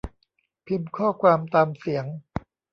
พิมพ์ข้อความตามเสียง